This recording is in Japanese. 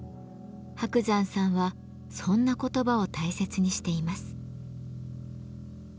伯山さんはそんな言葉を大切にしています。